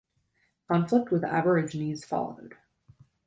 Conflict with the aborigines followed.